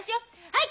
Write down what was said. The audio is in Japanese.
はい！